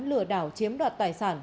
lừa đảo chiếm đặt tài sản